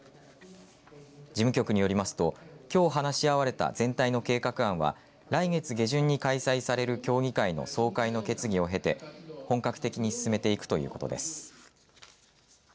事務局によりますときょう話し合われた全体の計画案は来月下旬に開催される協議会の総会の決議を経て本格的に進めていくということです。